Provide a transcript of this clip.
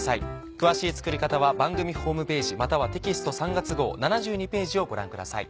詳しい作り方は番組ホームページまたはテキスト３月号７２ページをご覧ください。